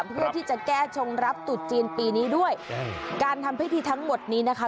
เพื่อที่จะแก้ชงรับตุดจีนปีนี้ด้วยการทำพิธีทั้งหมดนี้นะคะ